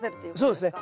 そうですね。